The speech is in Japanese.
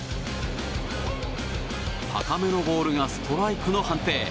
高めのボールがストライクの判定。